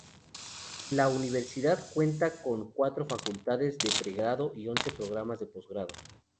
La universidad cuenta con cuatro facultades de pregrado y once programas de posgrado.